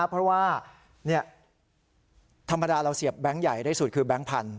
เพราะว่าธรรมดาเราเสียบแบงค์ใหญ่ได้สุดคือแบงค์พันธ